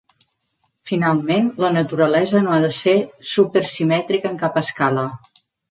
Finalment, la naturalesa no ha de ser supersimètrica en cap escala.